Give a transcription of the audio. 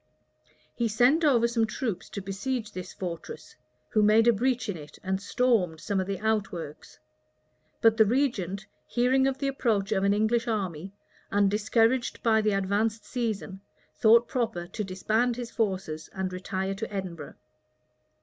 He sent over some troops to besiege this fortress, who made a breach in it, and stormed some of the outworks: but the regent, hearing of the approach of an English army, and discouraged by the advanced season, thought proper to disband his forces and retire to Edinburgh.